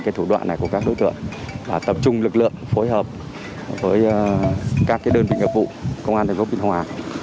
cái thủ đoạn này của các đối tượng là tập trung lực lượng phối hợp với các cái đơn vị ngợp vụ công an thành phố bình hòa